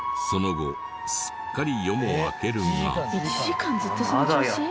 その後すっかり夜も明けるが。